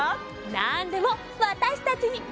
なんでもわたしたちにおまかせ！